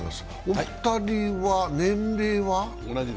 お二人は年齢は？